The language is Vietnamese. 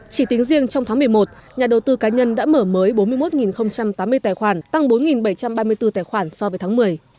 chỉ tính riêng trong tháng một mươi một nhà đầu tư cá nhân đã mở mới bốn mươi một tám mươi tài khoản tăng bốn bảy trăm ba mươi bốn tài khoản so với tháng một mươi